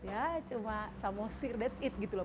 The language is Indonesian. ya cuma samosir that's it gitu loh